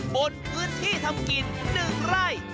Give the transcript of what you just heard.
บนพื้นที่ทำกินหนึ่งไร่